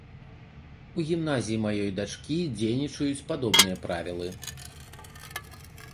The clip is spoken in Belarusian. У гімназіі маёй дачкі дзейнічаюць падобныя правілы.